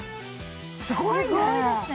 すごいね！